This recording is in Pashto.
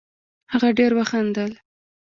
هغه ډېر وخندل